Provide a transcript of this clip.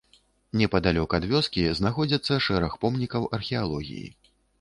Непадалёк ад вёскі знаходзяцца шэраг помнікаў археалогіі.